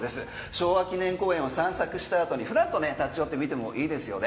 昭和記念公園を散策した後にフラッと立ち寄ってみてもいいですよね。